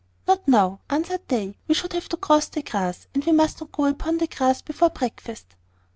"Not now," answered they; "we should have to cross the grass, and we must not go upon the grass before breakfast."